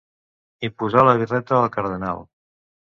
Imposar la birreta al cardenal.